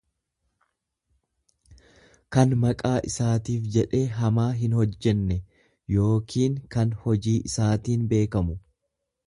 kan maqaa isaatiif jedhee hamaa hinhojjenne yookiin kan hojii isaatiin beekamu.